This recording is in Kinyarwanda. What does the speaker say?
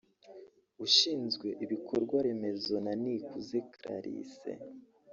ushinzwe ibikorwaremezo na Nikuze Clarisse